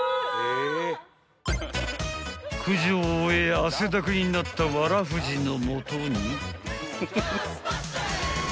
［駆除を終え汗ダクになったわらふぢの元に］